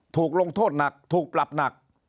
ถูกลงโทษหนักถูกปรับหนัก